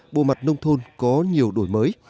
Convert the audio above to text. bộ mặt nông thôn có nhiều đổi mới